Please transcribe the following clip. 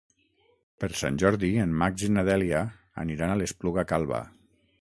Per Sant Jordi en Max i na Dèlia aniran a l'Espluga Calba.